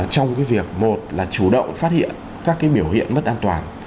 trong cái việc một là chủ động phát hiện các cái biểu hiện mất an toàn